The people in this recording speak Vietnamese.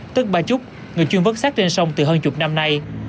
tức bà trúc người chuyên vấn sát trên sông từ hơn chục năm nay